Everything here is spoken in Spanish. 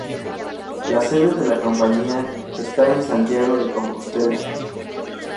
La sede de la compañía está en Santiago de Compostela.